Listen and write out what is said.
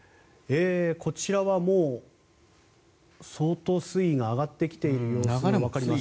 こちらは相当水位が上がってきている様子が分かりますね。